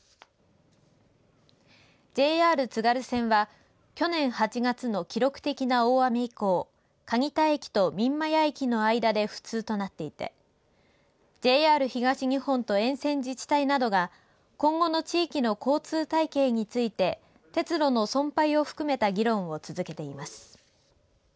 ＪＲ津軽線は去年８月の記録的な大雨以降蟹田駅と三厩駅の間で不通となっていてＪＲ東日本と沿線自治体などが今後の地域の交通体系について鉄路の存廃を含めた議論を続けています。